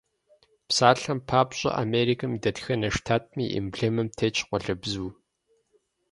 Псалъэм папщӀэ, Америкэм и дэтхэнэ штатми и эмблемэм тетщ къуалэбзу.